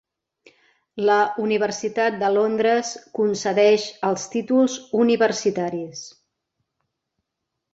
La Universitat de Londres concedeix els títols universitaris.